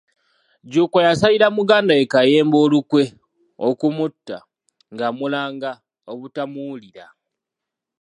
Jjuuko yasalira muganda we Kayemba olukwe okumutta, ng'amulanga obutamuwulira.